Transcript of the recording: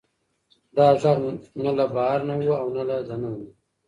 دا غږ نه له بهر نه و او نه له دننه نه.